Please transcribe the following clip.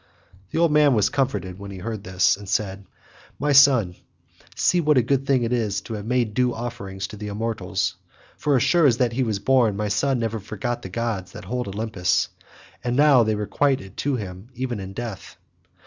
The old man was comforted as he heard him and said, "My son, see what a good thing it is to have made due offerings to the immortals; for as sure as that he was born my son never forgot the gods that hold Olympus, and now they requite it to him even in death.